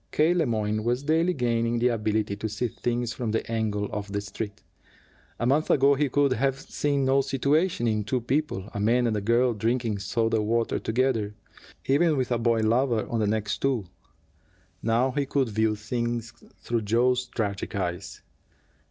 K. Le Moyne was daily gaining the ability to see things from the angle of the Street. A month ago he could have seen no situation in two people, a man and a girl, drinking soda water together, even with a boy lover on the next stool. Now he could view things through Joe's tragic eyes.